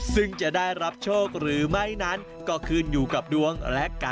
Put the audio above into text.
ซึ่งจะได้รับโชคหรือไม่นั้นก็ขึ้นอยู่กับดวงและกัน